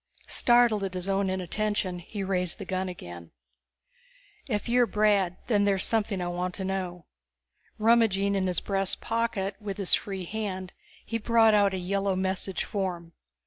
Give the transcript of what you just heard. Startled at his own inattention, he raised the gun again. "If you're Brandd, there's something I want to know." Rummaging in his breast pocket with his free hand, he brought out a yellow message form.